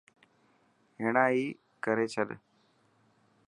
هيڻا ئي ڪري ڇڏ.